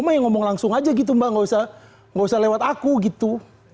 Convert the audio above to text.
makanya ngomong langsung aja gitu pak gak usah lewat aku gitu